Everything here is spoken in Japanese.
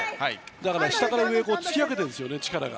だから下から上に突き上げてるんですね、力が。